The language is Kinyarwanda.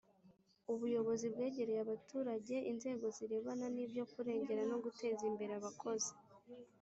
ubuyobozi bwegereye abaturage inzego zirebana nibyo kurengera no guteza imbere abakozi ,